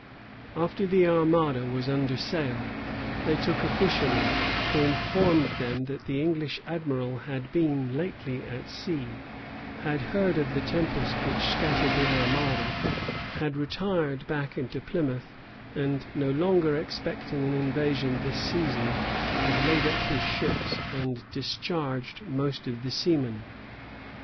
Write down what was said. After the armada was under sail, they took a fisherman, who informed them that the English admiral had been lately at sea, had heard of the tempest which scattered the armada, had retired back into Plymouth and no longer expecting an invasion this season, had laid up his ships, and discharged most of the seamen.